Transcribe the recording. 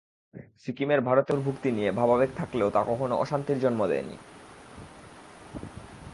সিকিমের ভারতে অন্তর্ভুক্তি নিয়ে ভাবাবেগ থাকলেও তা কখনো অশান্তির জন্ম দেয়নি।